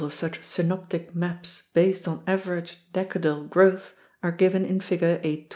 of such synoptic maps based on average decadal growth are given in Figure A.